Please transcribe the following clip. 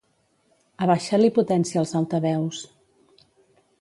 Abaixa-li potència als altaveus.